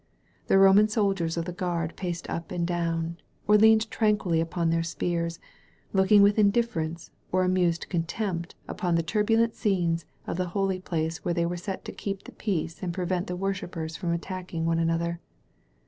The Roman soldiers of the guard paced up and down, or leaned tranquilly upon their spears, looking with indifference or amused con tempt upon the turbulent scenes of the holy place where they were set to keep the peace and prevent the worshippers from attacking one another.